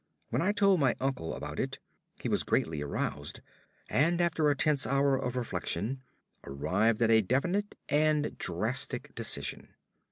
When I told my uncle about it he was greatly aroused; and after a tense hour of reflection, arrived at a definite and drastic decision.